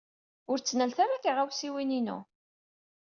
Ur ttnalet ara tiɣawsiwin-inu!